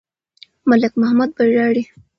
ملک محمد به ژاړي.